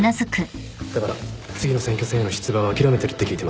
だから次の選挙戦への出馬は諦めてるって聞いてました。